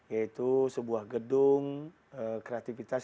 yaitu sebuah gedung kreativitas